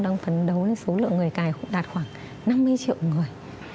đang phấn đấu số lượng người cài đạt khoảng năm mươi triệu người